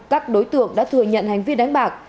các đối tượng đã thừa nhận hành vi đánh bạc